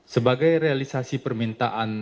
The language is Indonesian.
sebagai realisasi permintaan